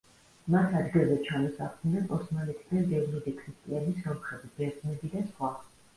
მათ ადგილზე ჩამოსახლდნენ ოსმალეთიდან დევნილი ქრისტიანი სომხები, ბერძნები და სხვა.